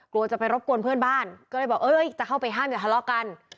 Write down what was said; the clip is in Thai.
กลัวจะไปรบกวนเพื่อนบ้านก็เลยบอกเอ้ยจะเข้าไปห้ามอย่าทะเลาะกัน